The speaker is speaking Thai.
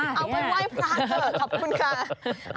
เอาไว้ไหว้พระเถอะขอบคุณค่ะ